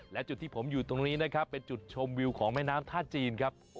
และจุดที่ผมอยู่ตรงนี้เป็นจุดชมวิวเมนามท่าทจีน